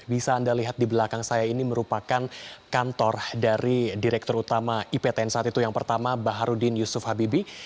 bisa anda lihat di belakang saya ini merupakan kantor dari direktur utama iptn saat itu yang pertama baharudin yusuf habibi